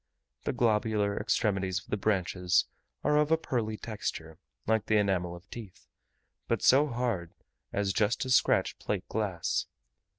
The globular extremities of the branches are of a pearly texture, like the enamel of teeth, but so hard as just to scratch plate glass.